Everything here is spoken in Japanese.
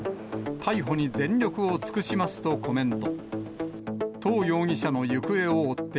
逮捕に全力を尽くしますとコメント。